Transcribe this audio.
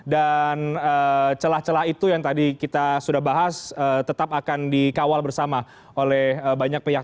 dan celah celah itu yang tadi kita sudah bahas tetap akan dikawal bersama oleh banyak pihak